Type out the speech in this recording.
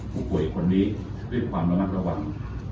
ผู้ป่วยคนนี้ด้วยความระมัดระวัง